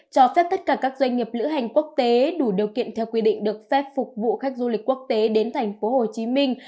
cho phép tất cả các doanh nghiệp lữ hành quốc tế đủ điều kiện theo quy định được phép phục vụ khách du lịch quốc tế đến thành phố hồ chí minh